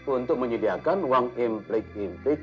untuk menyediakan uang implik implik